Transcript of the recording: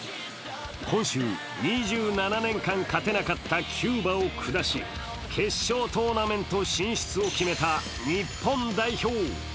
今週、２７年間勝てなかったキューバを下し決勝トーナメント進出を決めた日本代表。